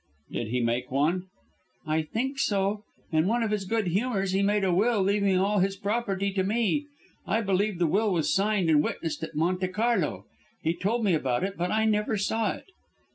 "Did he make one?" "I think so. In one of his good humours he made a will leaving all his property to me. I believe the will was signed and witnessed at Monte Carlo. He told me about it, but I never saw it."